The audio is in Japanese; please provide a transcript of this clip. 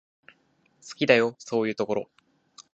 好きだよ、そういうところ。